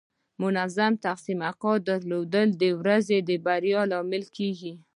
منظم تقسیم اوقات درلودل د ورځې د بریا لامل کیږي.